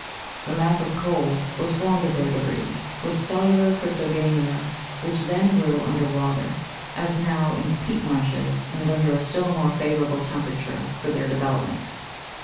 The mass of coal was formed of their debris, with cellular cryptoga'mia, which then grew under water, as now, in peat marshes, and under a still more favourable temperature for their development.